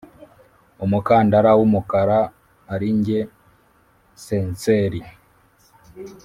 umukandara w’umukara arinjye censelli